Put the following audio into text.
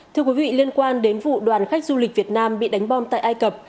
thưa quý vị liên quan đến vụ đoàn khách du lịch việt nam bị đánh bom tại ai cập